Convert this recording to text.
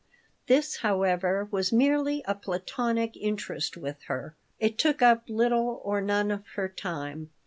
This, however, was merely a platonic interest with her. It took up little or none of her time.